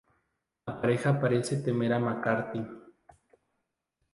La pareja parecen temer a McCarthy.